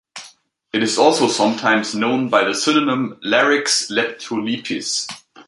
It is also sometimes known by the synonym "Larix leptolepis".